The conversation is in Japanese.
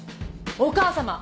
お母様！